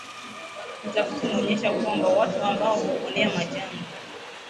Utafiti umeonyesha kwamba watu ambao huponea majanga